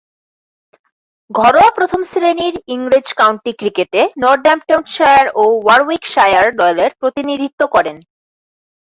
ঘরোয়া প্রথম-শ্রেণীর ইংরেজ কাউন্টি ক্রিকেটে নর্দাম্পটনশায়ার ও ওয়ারউইকশায়ার দলের প্রতিনিধিত্ব করেন।